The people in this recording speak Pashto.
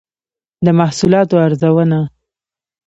د محصولاتو ارزونه